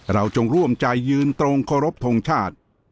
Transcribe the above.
เราจงร่วมใจยืนตรงโครบทรงชาติ